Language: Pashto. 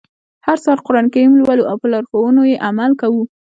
هر سهار قرآن کریم لولو او په لارښوونو يې عمل کوو.